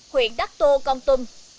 huyện đắc tô công tùm